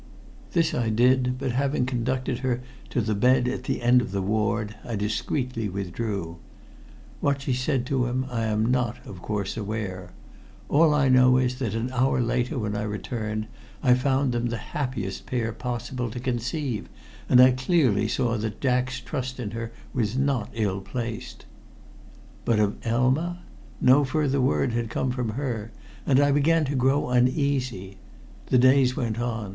This I did, but having conducted her to the bed at the end of the ward I discreetly withdrew. What she said to him I am not, of course, aware. All I know is that an hour later when I returned I found them the happiest pair possible to conceive, and I clearly saw that Jack's trust in her was not ill placed. But of Elma? No further word had come from her, and I began to grow uneasy. The days went on.